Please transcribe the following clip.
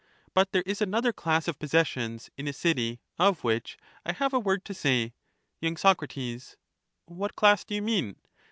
But st«anceb, there is another class of possessions in a city, of which ^^J^^w. I have a word to say. y. Soc. What class do you mean